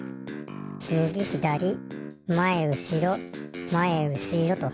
みぎひだりまえうしろまえうしろと。